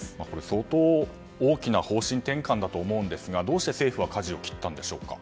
相当、大きな方針転換だと思うんですがどうして政府はかじを切ったんでしょうか。